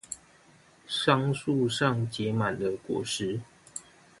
桑樹上結滿了果實